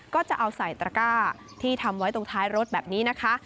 ก็จะเอาใส่ตระก้าที่ทำไว้ตรงท้ายรถแบบนี้นะคะ